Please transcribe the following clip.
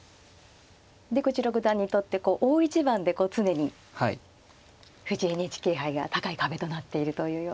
出口六段にとって大一番でこう常に藤井ＮＨＫ杯が高い壁となっているというような。